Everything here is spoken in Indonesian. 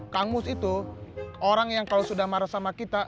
kangus itu orang yang kalau sudah marah sama kita